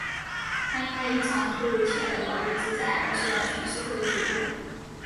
他因为一场突如其来的牢狱之灾而受到全社会的瞩目。